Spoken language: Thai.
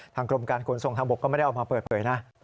กรมการขนส่งทางบกก็ไม่ได้เอามาเปิดเผยนะ